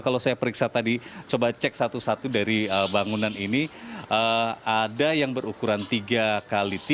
kalau saya periksa tadi coba cek satu satu dari bangunan ini ada yang berukuran tiga x tiga